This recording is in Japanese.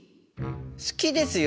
好きですよ。